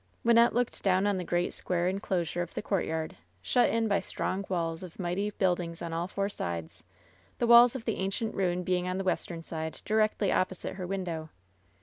Wjnnette looked down on the great square inclosure of the courtyard, shut in by strong walls of mighty buildings on all four sides, the walls of the ancient ruin being on the western side, directly opposite her window.